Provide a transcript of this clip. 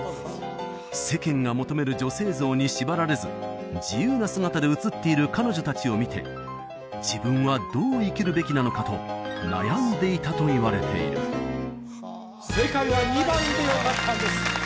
世間が求める女性像に縛られず自由な姿で写っている彼女達を見て自分はどう生きるべきなのかと悩んでいたといわれている正解は２番でよかったんです